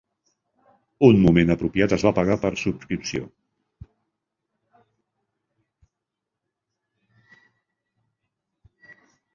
Un moment apropiat es va pagar per subscripció.